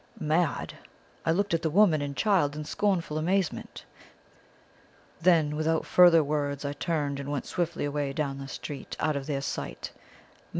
"Mad? I looked at the woman and child in scornful amazement. Then without further words I turned, and went swiftly away down the street out of their sight.